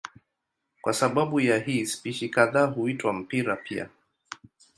Kwa sababu ya hii spishi kadhaa huitwa mpira pia.